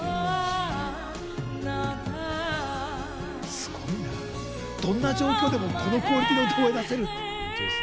すごいな、どんな状況でもこのクオリティーの歌声を出せるって。